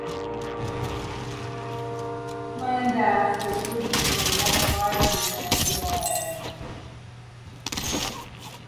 Landaff was originally much larger than today.